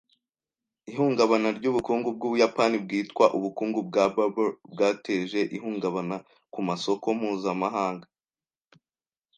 Ihungabana ry’ubukungu bw’Ubuyapani bwitwa ubukungu bwa bubble bwateje ihungabana ku masoko mpuzamahanga